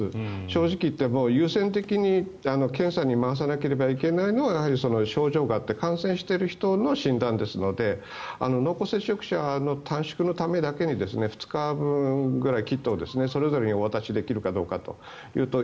正直言って優先的に検査に回さなければいけないのは症状があって感染している人の診断ですので濃厚接触者の短縮のためだけに２日分ぐらいキットをそれぞれにお渡しできるかどうかというと